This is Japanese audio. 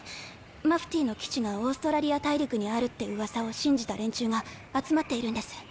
マフティーの基地がオーストラリア大陸にあるってうわさを信じた連中が集まっているんです。